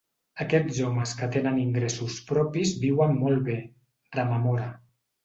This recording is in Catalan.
Aquests homes que tenen ingressos propis viuen molt bé, rememora.